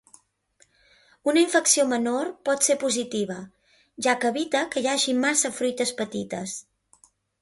Una infecció menor pot ser positiva, ja que evita que hi hagi massa fruites petites.